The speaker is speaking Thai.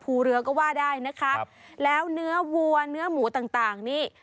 ภูเรือก็ว่าได้นะคะครับแล้วเนื้อวัวเนื้อหมูต่างต่างนี่